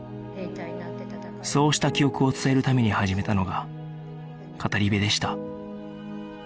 そうした記憶を伝えるために始めたのが語り部でした